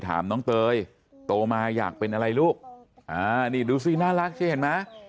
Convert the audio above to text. ถามน้องเตยโตมาอยากเป็นอะไรลูกอ่านี่ดูสิน่ารักใช่ไหม